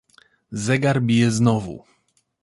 "Zegar bije znowu."